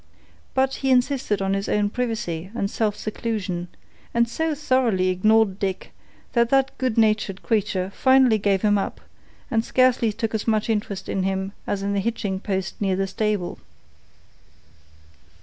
But he insisted on his own privacy and self seclusion, and so thoroughly ignored Dick that that good natured creature finally gave him up and scarcely took as much interest in him as in the hitching post near the stable.